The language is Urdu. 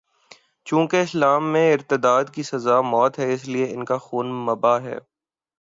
چونکہ اسلام میں ارتداد کی سزا موت ہے، اس لیے ان کا خون مباح ہے۔